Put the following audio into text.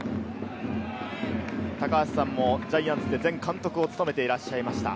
高橋さんもジャイアンツで前監督を務めてらっしゃいました。